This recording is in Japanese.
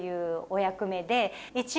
お役目で。